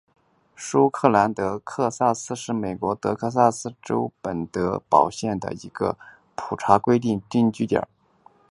舒格兰德克萨斯是美国德克萨斯州本德堡县的一个普查规定居民点。